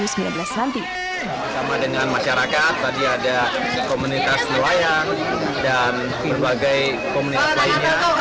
bersama dengan masyarakat tadi ada komunitas nelayan dan berbagai komunitas lainnya